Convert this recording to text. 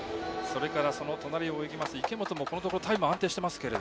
その隣を泳ぐ池本もこのところ、タイムが安定していますね。